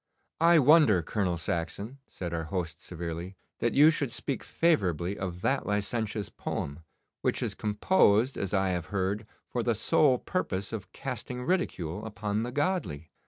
'I wonder, Colonel Saxon,' said our host severely, 'that you should speak favourably of that licentious poem, which is composed, as I have heard, for the sole purpose of casting ridicule upon the godly.